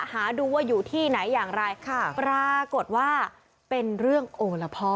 หาดูว่าอยู่ที่ไหนอย่างไรปรากฏว่าเป็นเรื่องโอละพ่อ